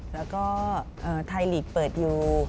แล้วก็ไทยลีกเปิดอยู่